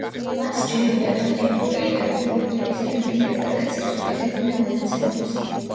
მათ სჯეროდათ, რომ ევროპელი დამკვირვებლები ზედმეტ ინტერპრეტაციას უკეთებდნენ მონაცემებს.